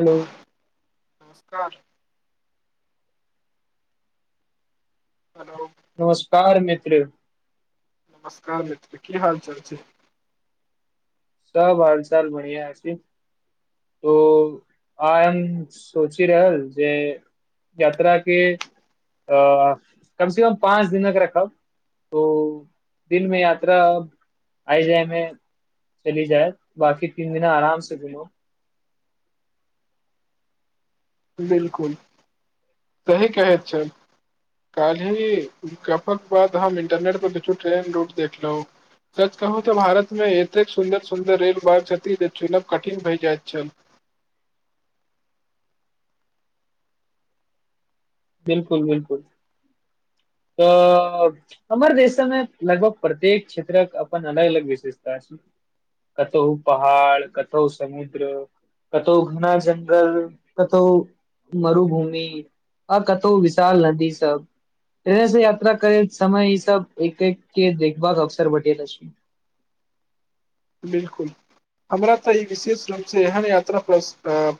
Hello नमस्कार hello नमस्कार मित्र नमस्कार मित्र की हाल चाल छैय? सब हाल चाल बढ़िया छै। ओ आय सोचि रहल जे यात्रा के अ कम से कम पाँच दिनक रखब ओ दिनमे यात्रा आय जायमे चली जायत बाकी तीन दिना आराम से घुमु। बिलकुल सही कहैत छैथ। काल्हि गप्पक बाद हम इंटरनेट पर देखयौ ट्रेन रूट देखलहु। सच कहुं तऽ भारतमे एतेक सुन्दर सुन्दर रेल मार्ग छथि जे चुनब कठिन भए जाइत छल। बिलकुल बिलकुल तऽऽ हमर दृश्यमे लगभग प्रत्येक क्षेत्रक अपन अलग अलग विशेषता छैय। कतौह पहाड़ कतौह समुद्र कतौह घना जंगल कतौह मरुभुमि आ कतहु विशाल नदी सब ट्रेन से यात्रा करेय समय इ सब एक एक के देखब अवसर भेटैत अछि। बिलकुल हमरा तऽ ई विशेष रूप से एहन यात्रा प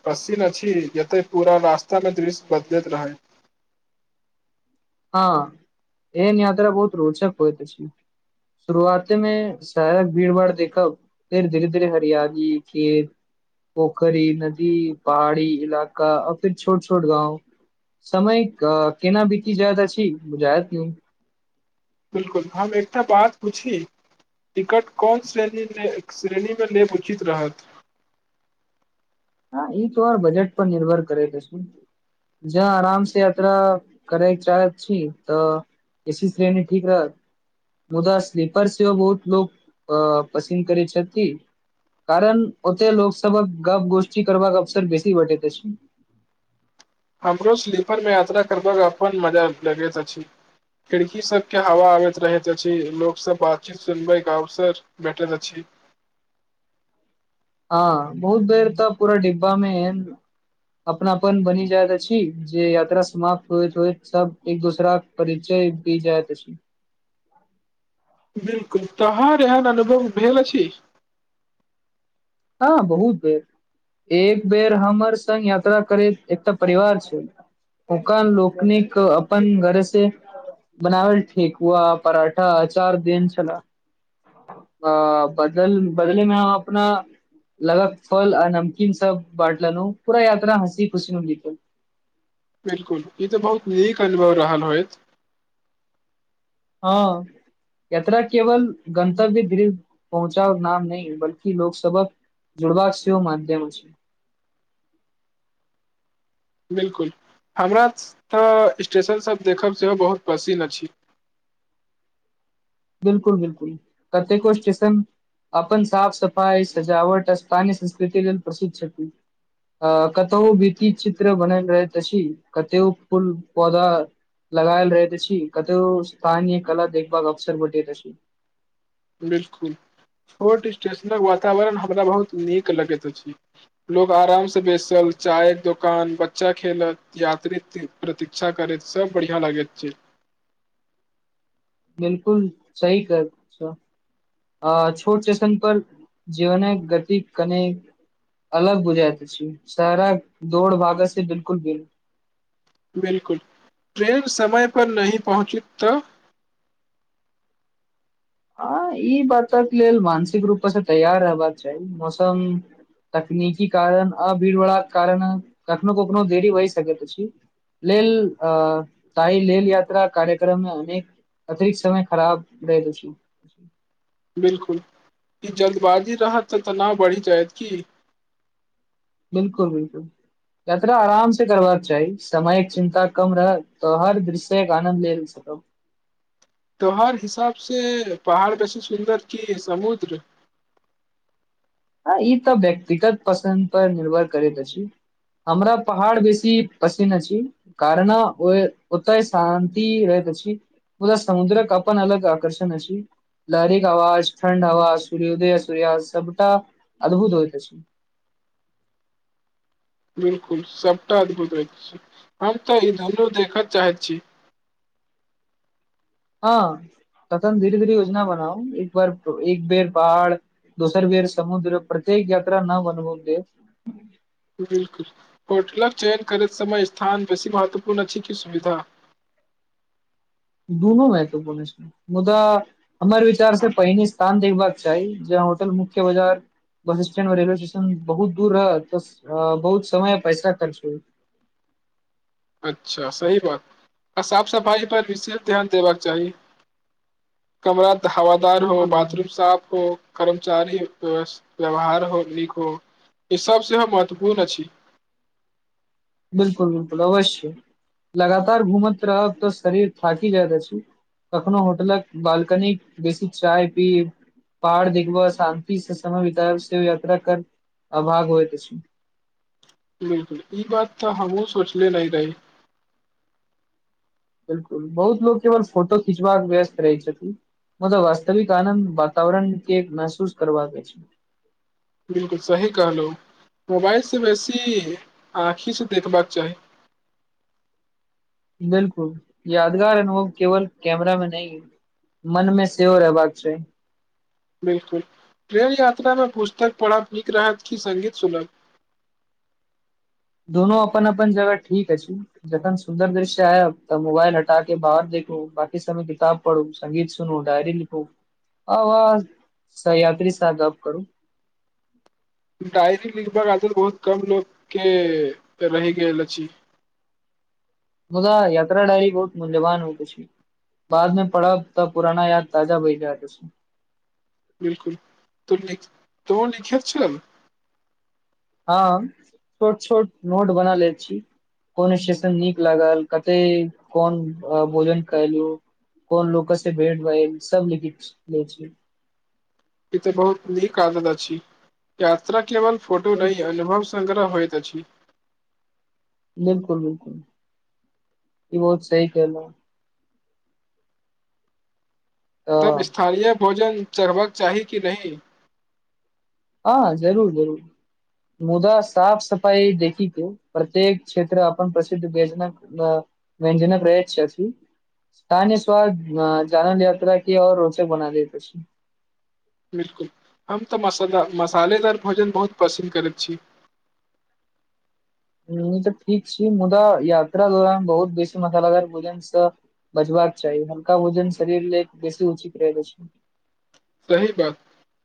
पसिन अछि जतह पुरा रास्ता एतयके दृश्य बदलैत रहैय। ह, एहन यात्रा बहुत रोचक होइत अछि। शुरुआतेमे शायद भीड़ -भाड़ देखब फेर धीरे धीेरे हरियाली खेत पोखरी नदी पहाड़ी इलाका आ फिर छोट छोट गाँव, समय क केना बित जाइत अछि बझायत नै बिलकुल, हम एकटा बात पुछी। टिकट कोन श्रेणीमे श्रेणी लेब उचित रहत। ह इ तोहर बजट पर निर्भर करेत अछि। ज आराम स यात्रा करैक चाहैत छी तऽ। ए सी श्रेणी ठीक रहत। मुदा स्लीपर सेहो बहुत लोक अ पसिन करैय छथि। कारण ओतै लोकसबक गप गोष्ठी करबाक अवसर बेसी बटैत अछि। हमरो स्लीपरमे यात्रा करबाक अपन मजा लगैत अछि। खिड़की सब के हवा आबैत रहैत अछि, लोक सब बातचीत सुनबइ अवसर भेटल अछि। ह, बहुत बेर तऽ पुरा डिब्बामे अपनापन बनि जाइत अछि जे यात्रा समाप्त होइत होइत सब एक दोसराक परिचय भी जाइत अछि। बिलकुल, तोहर एहन अनुभव भेल अछि। ह बहुत बेर एक बेर हमर संग यात्रा करैत एकटा परिवार छैय। ओकर लोकनिक अपन घरे से बनाबल ठेेकुआ पराठा चार देन छलहा अ बदल बदलेमे आहा अपना लगक फल आ नमकीन सब बाटललहु न पूरा यात्रा हँसी खुशीमे बितल। बिलकुल इ तऽ बहुत नीक अनुभव रहल होयत ह। याता केवल गंतव्य गृह पहुँचा नाम नहि बल्कि लोकसबक जुड़बाक सेहो मध्यम छैय। बिलकुल, हमरा तऽ स्टेशनसब देखब सेहो बहुत पसिन अछि। बिलकुल-बिलकुल, कतेको स्टेशन अपन साफ सफाइ सजावट स्थानय संस्कृति लेल प्रसिद्ध छथिति अ कतहु वित्त चित्र बनल रहे त छी कते फूल पौधा लगायल रहे त छी, कतहु स्थानीय कला देखभ अवसर बटे त छी। बिलकुल, छोट स्टेशनक वातावरण हमरा बहुत नीक लगैत अछि। लोग आराम से बेसल चाय दोकान बच्चा खेलत यात्रित प्रतीक्षा करैत सब बढ़ििया लागैत छै। बिलकुल सही कर छ अ छोट चसन पर जीवन गति कने अलग बुझाइत छी सारा दौड़ भागत से बिल्कुल ब बिल्कुल ट्रेन समय पर नहीं पहुँची तऽ हँ ई बातक लेल मानसिक रूप स तैयार रहबाक चाही मौसम तकनीकी कारण आ भीड़-भड़ाक कारणऽ कखनो-कखनो देरी होइ सकैत अछि। लेल अ ताई लेल यात्रा कार्यक्रम में अनेक अतिरिक्त समय खराब भेल छै। बिल्कुल ई जल्दबाजी रहत तऽ तनाव बढ़ी जायत की? बिल्कुल बिल्कुल। यात्रा आराम से करबाक चाही समयक चिन्ता कम रहल तऽ हर दृश्य एक आनन्द लेल सकब। तोहर हिसाब से पहाड़ बेसी सुन्दर कि समुद्र। आ ई तऽ व्यक्तिगत पसन्द पर निर्भर करैत अछि। हमरा पहाड़ बेसी पसिन्न अछि। कारणऽ ओय ओतय शान्ति होइत अछि। ओतऽ समुद्रक अपन अलग आकर्षण अछी। लहरी के अवाज, ठण्ड हवा, सूर्योदय आ सूर्यास सबटा अद्भुत होएत अछि। बिल्कुल सबटा अद्भुत होइ छी हम तऽ ई धन्नू देखऽ चाहैत छी। हँ तखन धीरे-धीरे योजना बनाउ एक बार एक बेर पहाड़ दोसर बेर समुद्र प्रत्येक यात्रा न बनबू देब। बिलकुल होटलक चयन करैत समय स्थान बेसी महत्वपूर्ण छै कि सुविधा। दुनू महत्वपूर्ण छै। मुदा हमर विचार से पहिने स्थान देखबाक चाही जे होटल मुख्य बजार बस स्टैंडऔ रेलवे स्टेशन बहुत दूर रह तऽ बहुत समय पैसा खर्च होइ। अच्छा सही बात आ साफ-सफाई पर विशेष ध्यान देबाक चाही। कमरा हवादार हो बिल्कुल बिल्कुल बाथरूम साफ हो। कर्मचारी व्यवस् व्यवहार हो नीक हो ई सब सेहो महत्वपूर्ण अछि। बिल्कुल-बिल्कुल अवश्य लगातार घुमत रहब तऽ शरीर थाकि जाइत अछि। कखनो होटलक बालकनी बेसी चाय पीब पहाड़ देखबऽ शांति से समय बितायब से यात्रा कर अभाग होइत अछि। बिलकुल ई बात तऽ हमहु सोचले नै रही। बिल्कुल बहुत लोक केवल फोटो खीचबाक व्यस्त रहै छथिन। मुदा वास्तविक आनन्द वातावरण के महसूस करबाक अछि। बिल्कुल सही कहलौं मोबाइल स बेसी आँखि स देखबाक चाही। बिलकुल यादगार, अनुभव केवल कैमरा मे नै मन में सेहो रहबाक चाही। बिलकुल ट्रेन यात्रा मे पुस्तक पढ़ब नीक रहत कि संगीत सुनब। दोनो अपन-अपन जगह ठीक अछि। जखन सुन्दर दृश्य आयब तऽ मोबाइल हटा के बाहर देखू बाकी समय किताब पढु संगीत सुनू, डायरी लिखु आ सही यात्री से गप करू। डायरी लिखबक आजकल बहुत कम लोग के रैह गेल अछि। मुदा यात्रा डायरी बहुत मूल्यवान होएत अछि। बाद मे पढ़ब तऽ पुराना याद ताजा भए जाएत अछि। बिल्कुल तु लिख तो लिखैत छै? हम छोट-छोट नोट बना लै छी। कोन स्टेशन नीक लागल, कते कोन अ भोजन कैलु। कोन लोकस से भेट भइल सब लिख लै छीयै। इ त बहुत नीक आदत अछि। यात्रा केवल फोटो नैय अनुभव स्- संग्रह होइत अछि। बिल्कुल, बिल्कुल ई बहुत सही केलौ। तब तऽ स्थानीय भोजन चढ़बक चाही कि नहि। ह जरूर -जरूर मुदा साफ सफाई देखी के। प्रत्येक क्षेत्र अपन प्रसिद्ध व्यंजन- व्यंजनक रहैत छथि। स्थानीय स्वाद जानल यात्रा क और रोचक बना दैत अछि बिल्कुल हम तऽ मस- मसालेदार भोजन बहुत पसंन्द करैत छी। तऽ ठीक छी मुदा यात्रा दौरान बहुत बेसी मसालादार भोजन स बचबाक चाही। हल्का भोजन शरीर लेल बेसी उचित रहैत अछि। सही बात।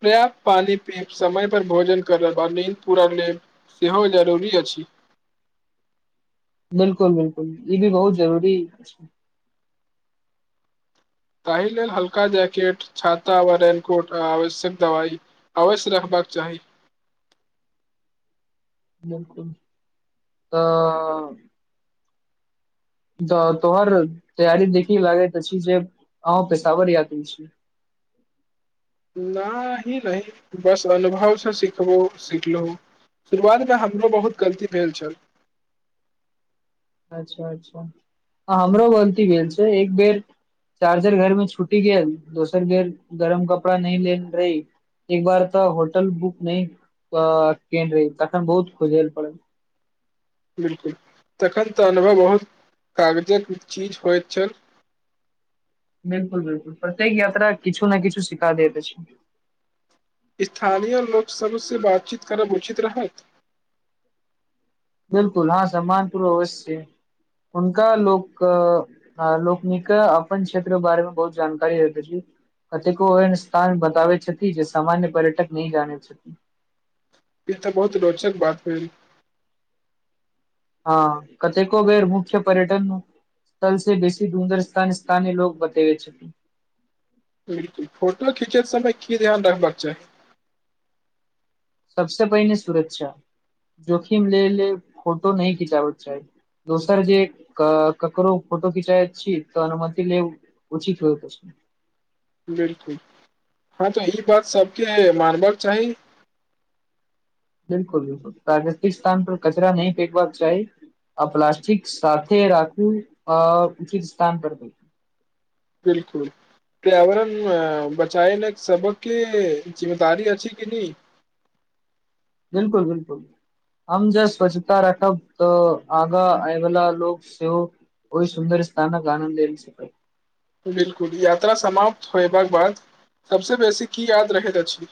पर्याप्त पानि पीब समय पर भोजन करब आ नीद पूरा लेब सेहो जरूरी अछि। बिल्कुल- बिल्कुल ई भी बहुत जरूरी अछि। ताहि लेल हल्का जैकेट छाता व रेनकोट आवश्यक दवाई अवश्य रखबाक चाही। बिल्कुल तऽ ह। तोहर तैयार देखी लागैत अछि जे अहु पेशावर आदमी छी। न ही नै बस अनुभव स सिखबो सिखलौ। शुरुआतमे हमरो बहुत गलती भेल छल। अच्छा -अच्छा। हँ हमरो गलती भेल छैय एक बेर चार्जर घरमे छूटी गेल, दोसर बेर गरम कपड़ा नै लेल रही। एक बार तऽ होटल बुक नय केने रही तखन बहुत खोजेल पड़ल। बिल्कुल, तखन तऽ अनुभव बहुत कागजक चीज होइत छल। बिल्कुल- बिल्कुल प्रत्येक यात्रा किछु ने किछु सिखा देत अछि। स्थानीय लोक सब स बातचीत करब उचित रहत। बिल्कुल हँ सम्मानपुर अवश्य हुनका लोक ह लोकनिक अपन क्षेत्र बारे मे बहुत जानकारी रहैत अछि। कतेको एहन स्थान बताबै छथि जे सामन्य पर्यटक नै जानै छथि। इ तऽ बहुत रोचक बात भेल। ह कतेको बेर मुख्य पर्यटन से बेसी सुन्दर स्थ -स्थानीय लोको बतेबय छथिन। बिल्कुल। फोटो खीचै समय की ध्यान रखबाक चाही। सबस पहिने सुरक्षा। जोखिम ले- ले फोटो नैय खिचेबाक चाही। दोसर जे ककरो फोटो खिचय छी तऽ अनुमति लेब। पुछी क पुछी। बिल्कुल। ह तऽ ई बात सबके [unintelligible] मानबक चाही बिल्कुल- बिल्कुल। [unintelligible] स्थान पर कचरा नैय फेकबाक चाही। आ प्लास्टिक साथे राखू आ उचित स्थान पर फेकू। बिल्कुल। पर्यावरण बचाय ले सबके जिम्मेदारी अछि की नै। बिल्कुल- बिल्कुल। हम जे स्वच्छता रखब तऽ आगा आय वाला लोक सेहो ओय सुन्दर स्थानक आनन्द लेल सकै। बिल्कुल। यात्रा समाप्त होयबाक बाद सबसे बेसी की याद रहैत अछि।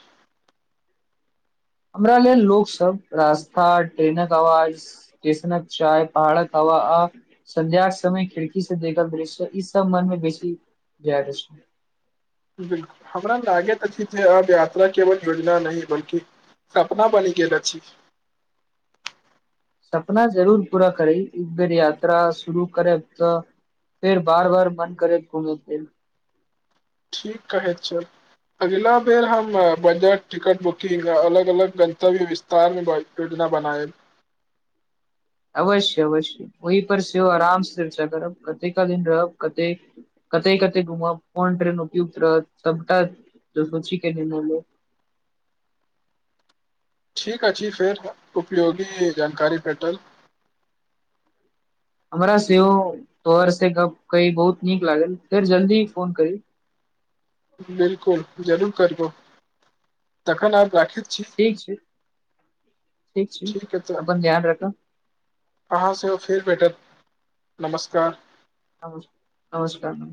हमरा लेल लोक सब रास्ता ट्रेनक अवाज टेशनक चाय पहाड़क हवा आ संध्याक समय खिड़की से देखल दृश्य ई सब मन में बेसी जा रह छै। बिल्कुल हमरा लागैत अछि जे अब यात्रा केवल योजना नहि बल्कि सपना बनी गेल अछि। सपना जरूर पूरा करै एक बेर यात्रा शुरू करैब तऽ फेर बार-बार मन करैत घूमै फेर ठीक कहै छल। अगिला बेर हम बजट टिकट बुकिंग अलग-अलग गन्तव्य विस तार में बाए योजना बनाएब अवश्य अवश्य ओहि पर सेहो अराम से चर्चा करब कतेका दिन रहब कतेक कते-कते घुमब कोन ट्रेन उपयुक्त रहत सबटा तऽ सोची के निर्णय लेब। ठीक अछि फेर उपयोगी जानकारी भेटल। हमरा सेहो तोहर से गप कइ बहुत नीक लागल फेर जल्दी फोन करी। बिल्कुल जरूर करबौ तखन आब राखी ठीक छैय ठीक छैय ह तऽ अपन ध्यान रखब। अहाँ सेहो फेर भेटत नमस्कार। नमस् नमस्कार।